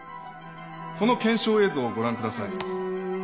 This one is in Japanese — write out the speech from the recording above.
この検証映像をご覧ください。